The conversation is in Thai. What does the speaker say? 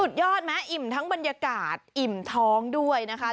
ยอดไหมอิ่มทั้งบรรยากาศอิ่มท้องด้วยนะคะ